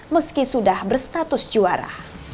meski sudah berstatus juara